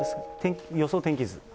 予想天気図？